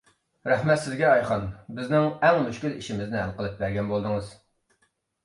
رەھمەت سىزگە، ئايخان، بىزنىڭ ئەڭ مۈشكۈل ئىشىمىزنى ھەل قىلىپ بەرگەن بولدىڭىز.